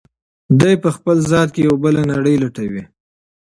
دی په خپل ذات کې یوه بله نړۍ لټوي.